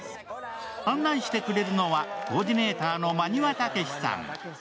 案内してくれるのは、コーディネーターの馬庭岳史さん。